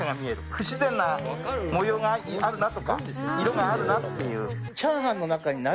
不自然な模様があるなとか色があるなっていう。